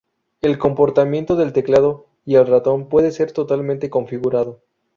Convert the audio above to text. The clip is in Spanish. El comportamiento del teclado y el ratón puede ser totalmente configurado.